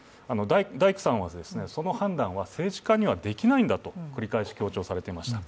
ダイクさんは、その判断は政治家にはできないんだと繰り返し強調されていました。